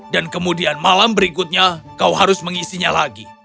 dan kemudian malam berikutnya kau harus mengisinya lagi